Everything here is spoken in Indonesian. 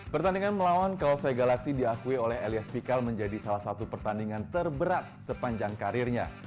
pertandingan melawan kalsai galaksi diakui oleh elias vikal menjadi salah satu pertandingan terberat sepanjang karirnya